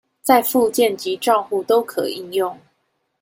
在復健及照護都可應用